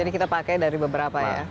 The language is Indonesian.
jadi kita pakai dari beberapa ya